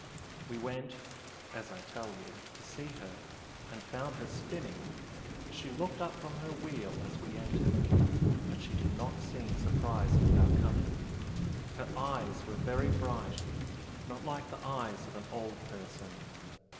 We went as I tell you to see her, and found her spinning. She looked up from her wheel as we entered but she did not seem surprised at our coming. Her eyes were very bright not like the eyes of an old person.